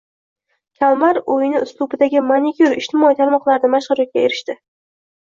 Kalmar o‘yini uslubidagi manikyur ijtimoiy tarmoqlarda mashhurlikka erishdi